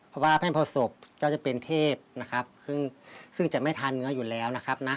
เพราะว่าแพ่งพอศพก็จะเป็นเทพนะครับซึ่งจะไม่ทานเนื้ออยู่แล้วนะครับนะ